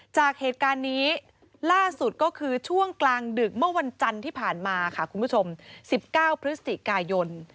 จากเหตุการณ์นี้ล่าสุดก็คือช่วงกลางดึกเมื่อวันจันทร์ที่ผ่านมาค่ะคุณผู้ชม๑๙พฤศจิกายน